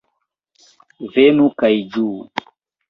Venu kaj ĝuu!